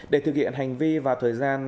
để thực hiện hành vi vào thời gian